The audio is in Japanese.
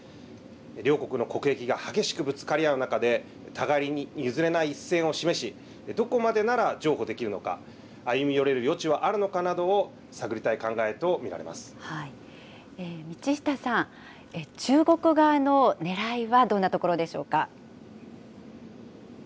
両国の国益が激しくぶつかり合う中で、互いに譲れない一線を示し、どこまでなら譲歩できるのか、歩み寄れる余地はあるのかなどを探道下さん、中国側のねらいはどんなところでしょうか。